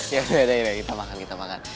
ya udah kita makan